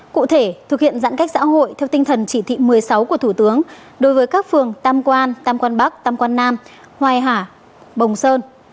cụ thể thực hiện giãn cách xã hội theo tinh thần chỉ thị một mươi sáu của thủ tướng đối với các phường tam quan tam quan bắc tam quan nam hoài hà bồng sơn